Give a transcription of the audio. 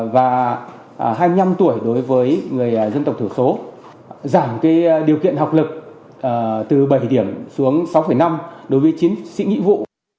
và hai mươi năm tuổi đối với người dân tộc thiểu số giảm điều kiện học lực từ bảy điểm xuống sáu năm đối với chiến sĩ nghĩa vụ